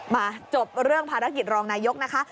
มาจบเรื่องภารกิจรองนายกนะคะ